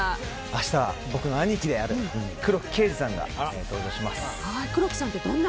明日、僕の兄貴である黒木啓司さんが登場します。